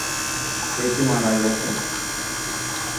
আমি খাতা নিয়ে আসছি।